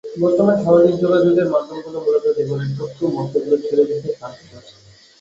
বর্তমানে সামাজিক যোগাযোগের মাধ্যমগুলো মূলত জীবনের টুকরা মুহূর্তগুলো ছড়িয়ে দিতে সাহায্য করছে।